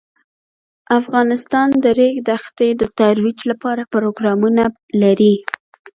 افغانستان د د ریګ دښتې د ترویج لپاره پروګرامونه لري.